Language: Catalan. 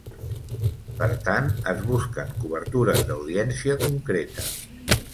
Per tant, es busquen cobertures d’audiència concreta.